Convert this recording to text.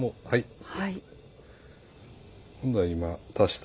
はい。